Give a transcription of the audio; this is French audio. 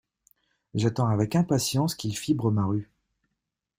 J’attends avec impatience qu’ils fibrent ma rue.